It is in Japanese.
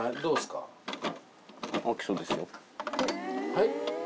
はい？